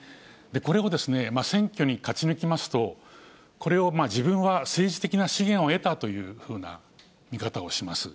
これを選挙に勝ち抜きますと、これを自分は政治的な資源を得たというふうな見方をします。